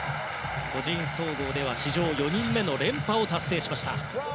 個人総合では史上４人目の連覇を達成しました。